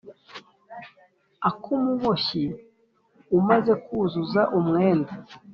ak’umuboshyi umaze kuzuza umwenda,